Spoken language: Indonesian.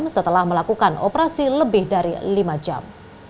setelah melakukan operasi lebih dari lima jam